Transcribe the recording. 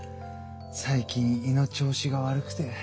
最近胃の調子が悪くて。